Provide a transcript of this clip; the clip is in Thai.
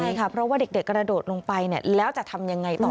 ใช่ค่ะเพราะว่าเด็กกระโดดลงไปแล้วจะทำยังไงต่อ